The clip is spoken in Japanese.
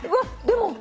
でも。